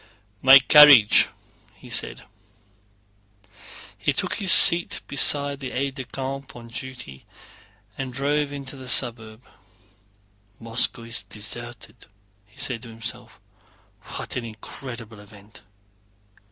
"My carriage!" he said. He took his seat beside the aide de camp on duty and drove into the suburb. "Moscow deserted!" he said to himself. "What an incredible event!"